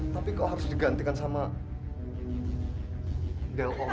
tapi kau harus digantikan sama del o